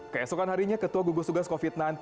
keesokan harinya ketua gugus tugas covid sembilan belas